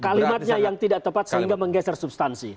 kalimatnya yang tidak tepat sehingga menggeser substansi